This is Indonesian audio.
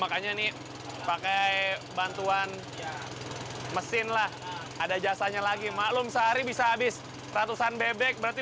makanya ini pakai bantuan mesinlah ada jasanya lagi maklum sehari bisa abis ratusan bebek berarti